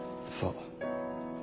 そう。